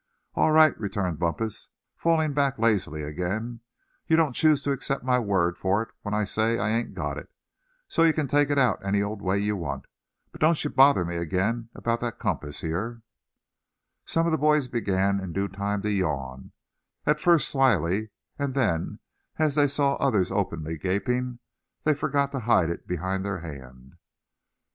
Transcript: "All right," returned Bumpus, falling back lazily, again; "you don't choose to accept my word for it when I say I ain't got it; and so you can take it out any old way you want. But don't you bother me again about that compass, hear?" Some of the boys began in due time to yawn, at first slily; and then as they saw others openly gaping, they forgot to hide it behind their hand.